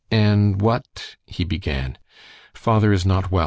"And what " he began. "Father is not well.